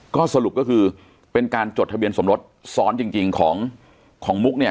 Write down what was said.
ก็สรุปก็คือเป็นการจดทะเบียนสมรสซ้อนจริงของมุกเนี่ย